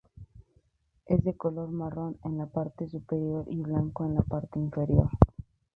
Es de color marrón en la parte superior y blanco en la parte inferior.